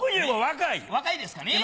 若いですかね？